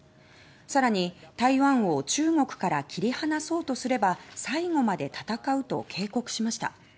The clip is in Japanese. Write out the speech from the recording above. さらに、「台湾を中国から切り離そうとすれば最後まで戦う」と警告しました。